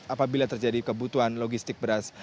apabila terjadi kebutuhan logistik beras